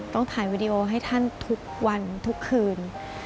ถ่ายวีดีโอให้ท่านทุกวันทุกคืน